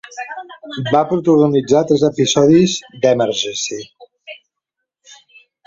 Va protagonitzar tres episodis d'"Emergency!"